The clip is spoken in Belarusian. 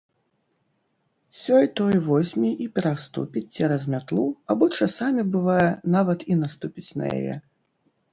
Сёй-той возьме і пераступіць цераз мятлу або часамі, бывае, нават і наступіць на яе.